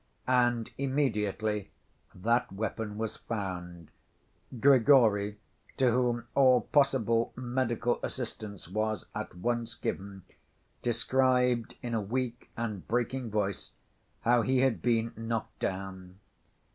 And immediately that weapon was found, Grigory, to whom all possible medical assistance was at once given, described in a weak and breaking voice how he had been knocked down.